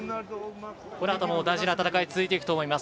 このあとも大事な戦い続いていくと思います。